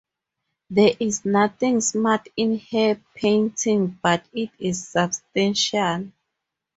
There is nothing smart in her painting, but it is substantial.